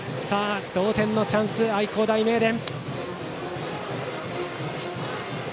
同点のチャンス、愛工大名電。